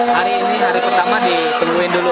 hari ini hari pertama ditemuin dulu